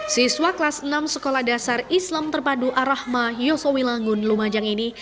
siswa kelas enam sekolah dasar islam terpadu arrahma yosowi langun lumajang ini